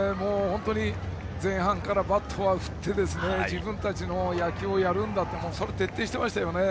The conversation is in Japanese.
前半からバットは振って自分たちの野球をやるんだという徹底していましたね。